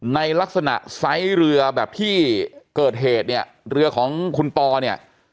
ในลักษณะไซส์เรือแบบที่เกิดเหตุเนี่ยเรือของคุณปอเนี่ย